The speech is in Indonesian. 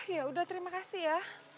ya udah terima kasih ya